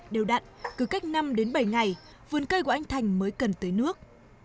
điều đặn cứ cách năm đến bảy ngày vườn cây của anh thành mới cần tới nước